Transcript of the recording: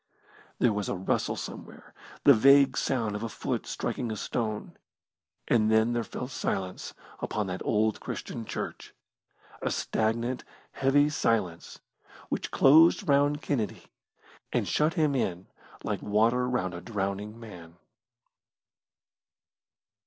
There was a rustle somewhere the vague sound of a foot striking a stone and then there fell silence upon that old Christian church a stagnant heavy silence which closed round Kennedy and shut him in like water round a drowning man.